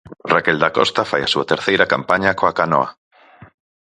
Raquel Dacosta fai a súa terceira campaña coa canoa.